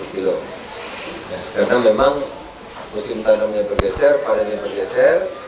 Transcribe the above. karena memang musim tanamnya bergeser panennya bergeser